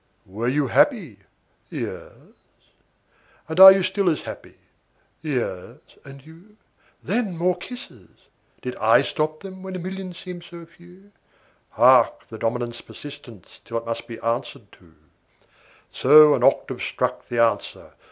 °21 "Were you happy?" "Yes." "And are you still as happy?" "Yes. And you?" "Then, more kisses !" "Did I stop them, when, a million seemed so few?" Hark, the dominant's persistence till it must be answered to! So, an octave struck the answer.